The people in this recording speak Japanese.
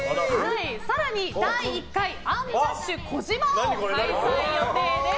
更に第１回アンジャッシュ児嶋王を開催予定です。